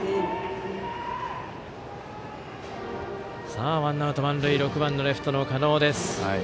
さあ、ワンアウト満塁６番レフト、狩野です。